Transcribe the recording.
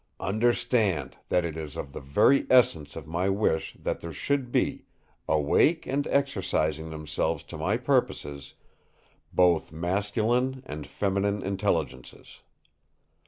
Understand, that it is of the very essence of my wish that there should be, awake and exercising themselves to my purposes, both masculine and feminine intelligences.